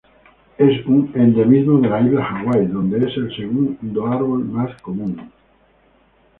Es un endemismo de las islas Hawái, donde es el segundo árbol más común.